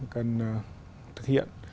cần thực hiện